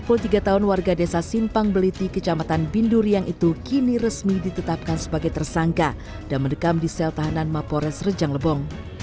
sepuluh tiga tahun warga desa simpang beliti kecamatan binduriang itu kini resmi ditetapkan sebagai tersangka dan mendekam di sel tahanan mapores rejang lebong